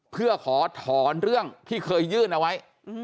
เพื่อขอถอนเรื่องที่เคยยื่นเอาไว้